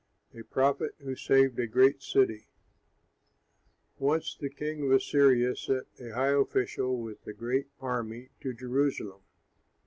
A PROPHET WHO SAVED A GREAT CITY Once the king of Assyria sent a high official with a great army to Jerusalem.